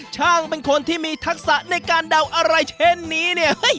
ช่างเป็นคนที่มีทักษะในการเดาอะไรเช่นนี้เนี่ย